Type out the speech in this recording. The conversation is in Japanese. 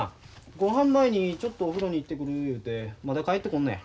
ごはん前にちょっとお風呂に行ってくる言うてまだ帰ってこんのや。